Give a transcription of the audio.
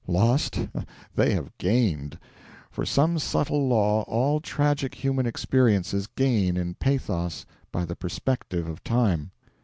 Lost? They have gained; for by some subtle law all tragic human experiences gain in pathos by the perspective of time.